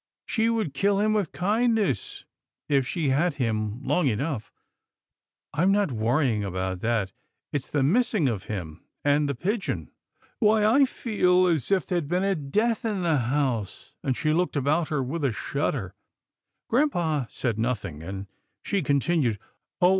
She would kill him with kind ness if she had him long enough. I'm not worry ing about that. It's the missing of him and the pigeon. Why, I feel as if there'd been a death in 180 'TILDA JANE'S ORPHANS the house," and she looked about her with a shud der. Grampa said nothing, and she continued, " Oh